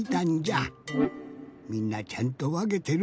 みんなちゃんとわけてる？